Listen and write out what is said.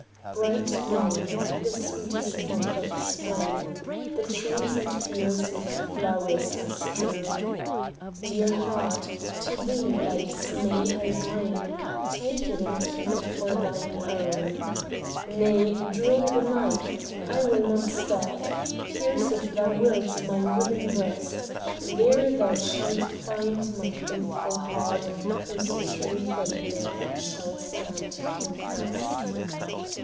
"Bright May the sweetest month of Spring; The trees and fields with flowers are strown Dear Heart, to thee Life's May I bring; Take it and keep it for thine own Nay draw the knife! I will not start, Pierce if thou wilt, my willing breast. There thou shalt find my faithful heart Whose truth in death shall stand confessed."